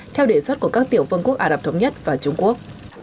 theo đề xuất của các tiểu vương quốc ả rập thống nhất và trung quốc